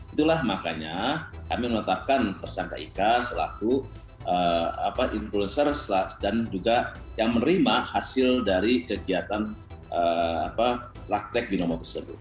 itulah makanya kami menetapkan tersangka ika selaku influencer dan juga yang menerima hasil dari kegiatan praktek binomo tersebut